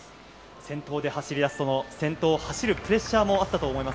先頭で走り出す、先頭を走るプレッシャーもあったと思います。